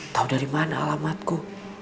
tau dari mana alamatku